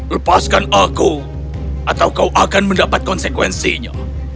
lepaskan aku atau kau akan mendapat konsekuensinya